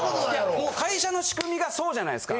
もう会社の仕組みがそうじゃないですか。